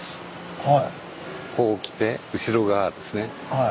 はい。